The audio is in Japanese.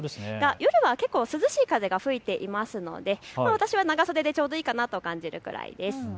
夜は結構涼しい風が吹いていますので私は長袖でちょうどいいかなと感じるぐらいです。